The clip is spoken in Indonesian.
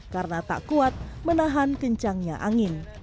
karena tak kuat menahan kencangnya angin